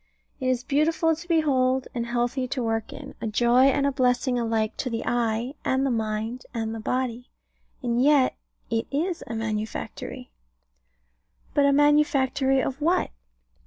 It is beautiful to behold, and healthy to work in; a joy and blessing alike to the eye, and the mind, and the body: and yet it is a manufactory. But a manufactory of what?